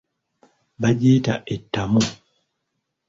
Bagiyita ettamu.